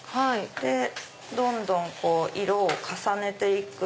でどんどん色を重ねて行く。